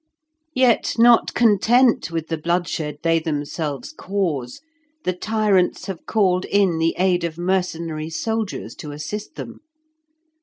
Yet not content with the bloodshed they themselves cause, the tyrants have called in the aid of mercenary soldiers to assist them.